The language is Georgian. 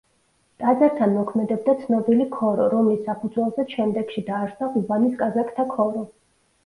ტაძართან მოქმედებდა ცნობილი ქორო, რომლის საფუძველზეც შემდეგში დაარსდა ყუბანის კაზაკთა ქორო.